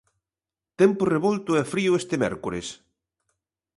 Tempo revolto e frío este mércores.